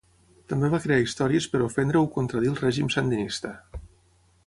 També va crear històries per ofendre o contradir el règim Sandinista.